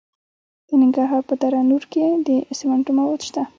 د ننګرهار په دره نور کې د سمنټو مواد شته.